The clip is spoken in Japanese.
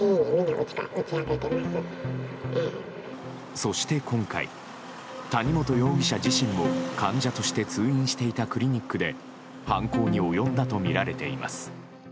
そして今回、谷本容疑者自身も患者として通院していたクリニックで犯行に及んだとみられています。